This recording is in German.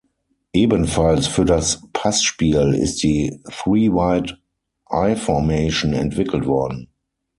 Ebenfalls für das Passspiel ist die "Three Wide I-Formation" entwickelt worden.